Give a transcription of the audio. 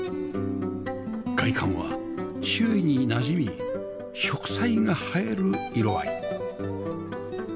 外観は周囲になじみ植栽が映える色合い